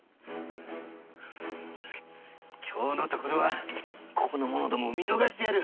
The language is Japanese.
今日のところはここの者どもを見逃してやる！